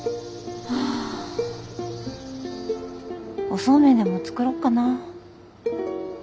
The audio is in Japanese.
おそうめんでも作ろうかな。